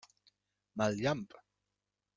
Mal llamp!